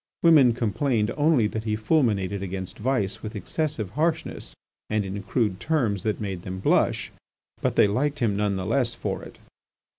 Women complained only that he fulminated against vice with excessive harshness and in crude terms that made them blush. But they liked him none the less for it.